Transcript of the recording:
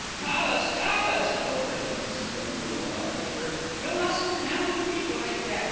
"Alice, Alice!" protested Mrs. Bindle in a loud whisper. "You mustn't announce people like that.